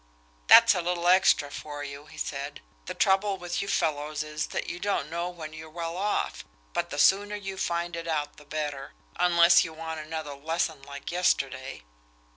"That's a little extra for you," he said. "The trouble with you fellows is that you don't know when you're well off but the sooner you find it out the better, unless you want another lesson like yesterday."